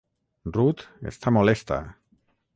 Ruth està molesta.